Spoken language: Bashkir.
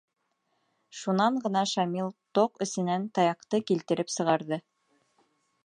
Шунан ғына Шамил тоҡ эсенән таяҡты килтереп сығарҙы.